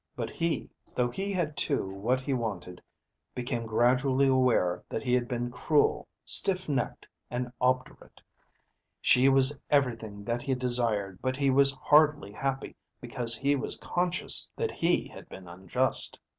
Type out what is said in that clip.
But he, though he had too what he wanted, became gradually aware that he had been cruel, stiff necked, and obdurate. She was everything that he desired, but he was hardly happy because he was conscious that he had been unjust.